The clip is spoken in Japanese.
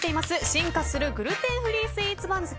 進化するグルテンフリースイーツ番付